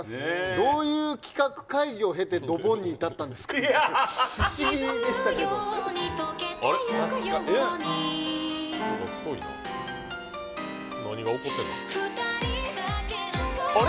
どういう企画会議を経てドボンに至ったんですか、不思議でしあれ？